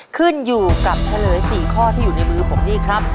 ขึ้นอยู่กับเฉลย๔ข้อที่อยู่ในมือผมนี่ครับ